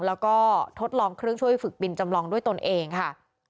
แล้วก็ทดลองเครื่องช่วยฝึกบินจำลองด้วยตนเองค่ะ